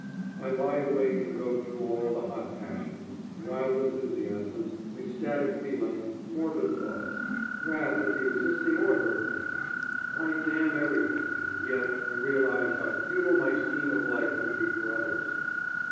I lie awake and go through all the hot passions, wild enthusiasms, ecstatic feelings, morbid thoughts, wrath at the existing order of things. I damn everything, and yet I realize how futile my scheme of life would be for others.